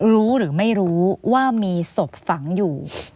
รู้หรือไม่รู้ว่ามีศพฝังอยู่